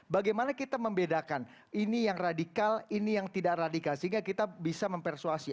bagaimana kita membedakan ini yang radikal ini yang tidak radikal sehingga kita bisa mempersuasi